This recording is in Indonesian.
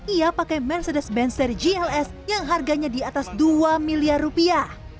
ia pakai mercedes benzer gls yang harganya di atas dua miliar rupiah